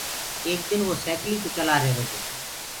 ايڪ دن وو سيڪلي ڪوُ چلآ رهيرو تو۔